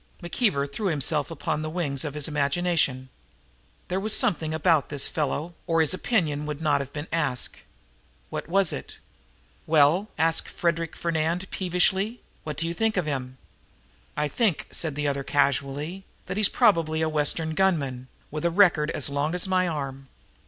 McKeever threw himself upon the wings of his imagination. There was something about this fellow, or his opinion would not have been asked. What was it? "Well?" asked Frederic Fernand peevishly. "What do you think of him?" "I think," said the other casually, "that he's probably a Western gunman, with a record as long as my arm."